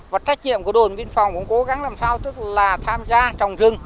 và tác nhiệm của đội biên phòng cũng cố gắng làm sao tức là tham gia trồng rừng